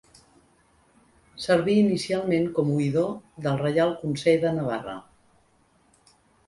Serví inicialment com oïdor del Reial Consell de Navarra.